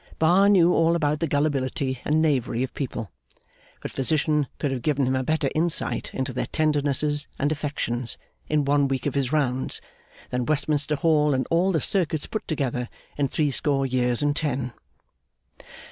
Bar knew all about the gullibility and knavery of people; but Physician could have given him a better insight into their tendernesses and affections, in one week of his rounds, than Westminster Hall and all the circuits put together, in threescore years and ten.